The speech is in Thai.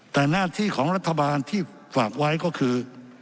แต่หน้าที่ของรัฐบาลที่ฝากไว้ก็คือ